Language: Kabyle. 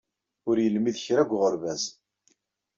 Ur yelmid kra deg uɣerbaz.